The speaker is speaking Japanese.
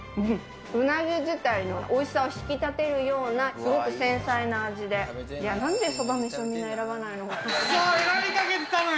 うなぎ自体のおいしさを引き立てるような、すごく繊細な味で、いや、なんでみんなそばめしを選ばないのかな。